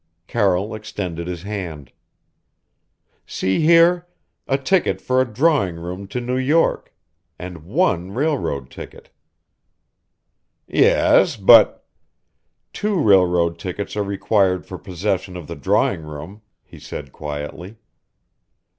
Carroll extended his hand. "See here a ticket for a drawing room to New York, and one railroad ticket!" "Yes, but " "Two railroad tickets are required for possession of the drawing room," he said quietly.